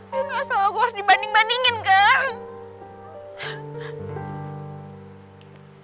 gue gak salah gue harus dibanding bandingin kak